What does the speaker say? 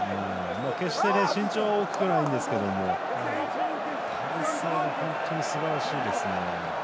身長は大きくないんですけど本当にすばらしいですね。